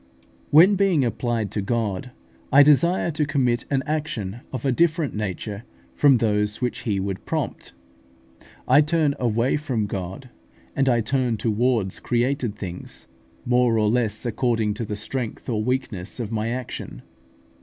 When, being applied to God, I desire to commit an action of a different nature from those which He would prompt, I turn away from God, and I turn towards created things more or less according to the strength or weakness of my action.